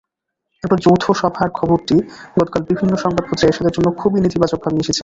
এরপর যৌথ সভার খবরটি গতকাল বিভিন্ন সংবাদপত্রে এরশাদের জন্য খুবই নেতিবাচকভাবে এসেছে।